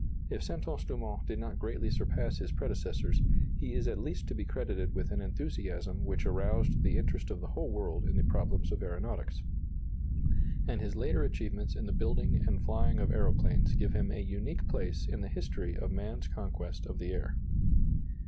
If Santos Dumont did not greatly surpass his predecessors, he is at least to be credited with an enthusiasm which aroused the interest of the whole world in the problems of aeronautics; and his later achievements in the building and flying of aeroplanes give him a unique place in the history of man's conquest of the air.